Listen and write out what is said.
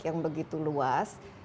yang begitu luas